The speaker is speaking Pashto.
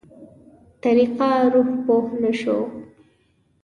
طريقه روح پوه نه شو.